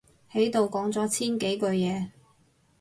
喺度講咗千幾句嘢